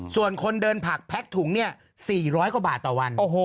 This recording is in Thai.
ส่วนคนเดินผักแพ็คถุงเนี่ย๔๐๐กว่าบาทต่อวัน